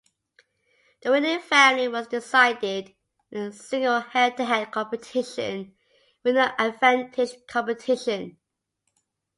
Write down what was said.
The winning family was decided in a single head-to-head competition with no advantage competition.